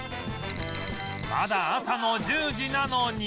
まだ朝の１０時なのに